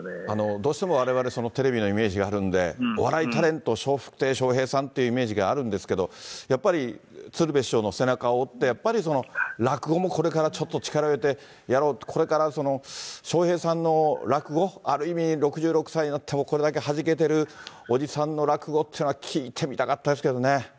どうしてもわれわれ、テレビのイメージがあるんで、お笑いタレント、笑福亭笑瓶さんというイメージがあるんですけど、やっぱり鶴瓶師匠の背中を追って、やっぱり落語もこれからちょっと力入れてやろうって、これからその笑瓶さんの落語、ある意味６６歳になってもこれだけはじけてるおじさんの落語っていうのは、聞いてみたかったですけどね。